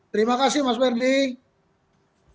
terima kasih mas verdi